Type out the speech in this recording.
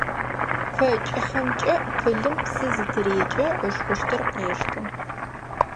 Пэ кӏыхьэмкӏэ пылым псы зытырекӏэ, ышхыщтыр къештэ.